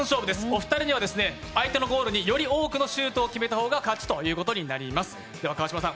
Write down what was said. お二人には相手のゴールにより多くのシュートを決めた方が勝ちとなります。